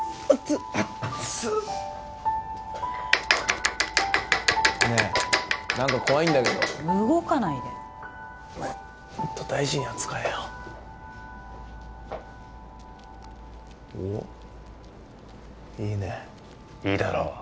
アッツねえ何か怖いんだけど動かないでお前もっと大事に扱えよおっいいねいいだろ？